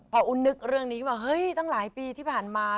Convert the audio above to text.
พออุ้มนึกเรื่องนี้ว่าเฮ้ยตั้งหลายปีที่ผ่านมา